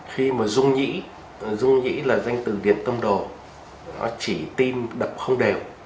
khi mà rung nhĩ rung nhĩ là danh từ điện tâm đồ nó chỉ tim đập không đều